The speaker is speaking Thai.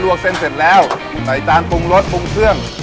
วกเส้นเสร็จแล้วใส่จานปรุงรสปรุงเครื่อง